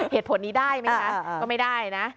เหตุผลนี้ได้ไหมคะก็ไม่ได้นะ